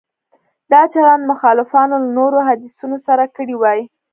دا چلند مخالفانو له نورو حدیثونو سره کړی وای.